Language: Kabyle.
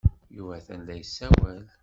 Yuba atan la yessawal.